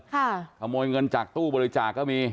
ขโมยเงินจากตู้บริจาคก็มี